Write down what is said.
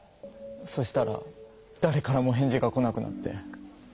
そしたらだれからも返事が来なくなって。